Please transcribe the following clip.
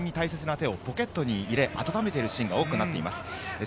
応援に大切な手をポケットに入れて温めているシーンが多くなっています。